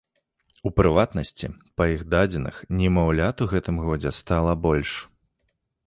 У прыватнасці, па іх дадзеных, немаўлят у гэтым годзе стала больш.